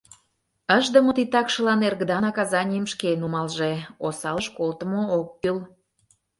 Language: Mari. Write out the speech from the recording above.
Ыштыме титакшылан эргыда наказанийым шке нумалже, осалыш колтымо ок кӱл.